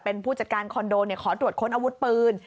เป็นผู้จัดการคอนโดขอตรวจค้นอาวุธปืน